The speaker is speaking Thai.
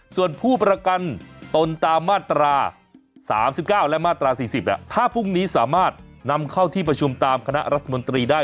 ส่วนผู้ประกันตนตามมาตรา๓๙และมาตรา๔๐ถ้าพรุ่งนี้สามารถนำเข้าที่ประชุมตามคณะรัฐมนตรีได้